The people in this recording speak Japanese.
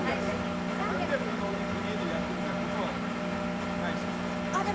３００のお肉家で焼くみたいなことあります。